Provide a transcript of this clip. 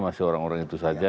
masih orang orang itu saja